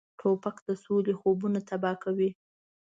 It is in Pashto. توپک د سولې خوبونه تباه کوي.